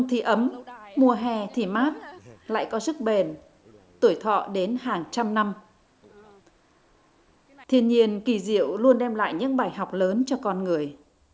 thiên nhiên kỳ diệu luôn đem lại những bài học lớn cho con người